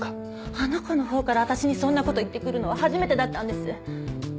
あの子のほうから私にそんなこと言って来るのは初めてだったんです。